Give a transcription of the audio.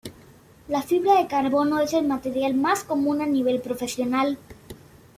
La fibra de carbono es el material más común a nivel profesional.